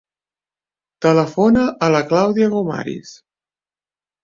Telefona a la Clàudia Gomariz.